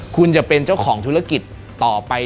คุณจะเป็นเจ้าของธุรกิจต่อไป